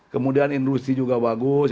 kemudian industri juga bagus